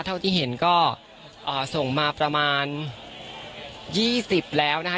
เท่าที่เห็นก็อ่าส่งมาประมาณยี่สิบแล้วนะคะ